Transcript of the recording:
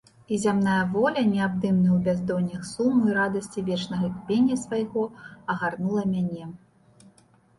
І зямная воля, неабдымная ў бяздоннях суму і радасці вечнага кіпення свайго, агарнула мяне.